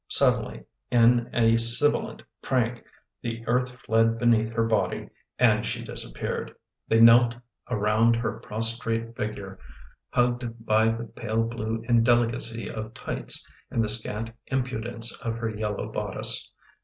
Suddenly, in a sibilant prank, the earth fled beneath her body and she disappeared. They knelt around her prostrate figure hugged by the pale blue indelicacy of tights and the scant impudence of her yellow bodice.